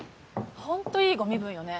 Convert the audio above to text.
ホントいいご身分よね。